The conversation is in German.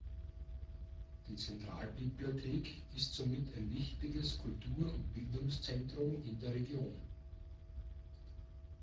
Die Zentralbibliothek ist somit ein wichtiges Kultur- und Bildungszentrum in der Region.